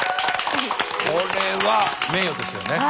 これは名誉ですよね。